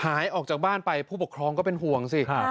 หายออกจากบ้านไปผู้ปกครองก็เป็นห่วงสิ